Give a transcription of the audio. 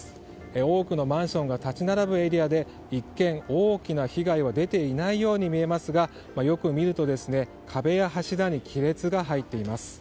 多くのマンションが立ち並ぶエリアで一見、大きな被害は出ていないように見えますがよく見ると壁や柱に亀裂が入っています。